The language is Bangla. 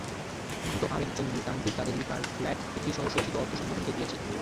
নিহত আরেক জঙ্গি তানভীর কাদেরী তাঁর ফ্ল্যাট বিক্রিসহ সঞ্চিত অর্থ সংগঠনকে দিয়েছেন।